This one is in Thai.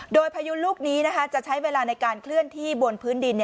โดยพายุลูกนี้จะใช้เวลาในการเคลื่อนที่บนพื้นดิน